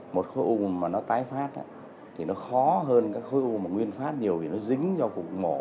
một khối u mà nó tái phát thì nó khó hơn các khối u mà nguyên phát nhiều vì nó dính cho cục mổ